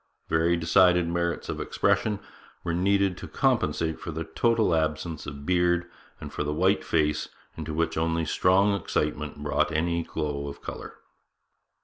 Very decided merits of expression were needed to compensate for the total absence of beard and for the white face, into which only strong excitement brought any glow of colour.